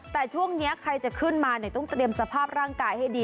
แต่ช่วงนี้ใครจะขึ้นมาเนี่ยต้องเตรียมสภาพร่างกายให้ดี